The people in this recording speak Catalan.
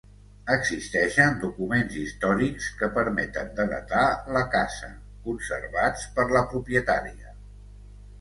Existeixen documents històrics que permeten de datar la casa, conservats per la propietària.